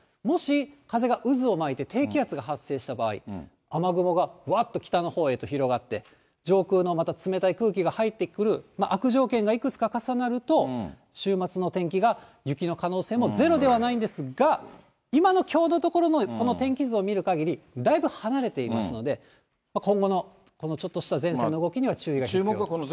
もし風が渦を巻いて、低気圧が発生した場合、雨雲がわーっと北のほうへと広がって、上空のまた冷たい空気が入ってくる悪条件がいくつか重なると、週末の天気が雪の可能性もゼロではないんですが、今のきょうのところのこの天気図を見るかぎり、だいぶ離れていますので、今後のこのちょっとした前線の動きには注意が必要です。